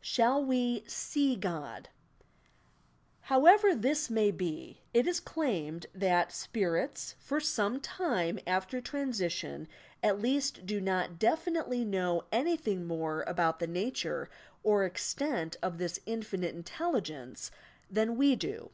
SHALL WE "see QOD"* However this may be, it is claimed that "spirits" for some time after transition at least do not definitely know anything more about the nature or extent of this Infinite Intelligence than we do.